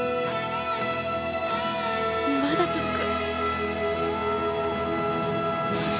まだ続く。